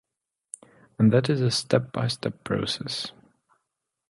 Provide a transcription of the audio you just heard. And that is a step by step process.